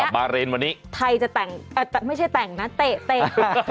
มาเรนวันนี้ไทยจะแต่งไม่ใช่แต่งนะเตะ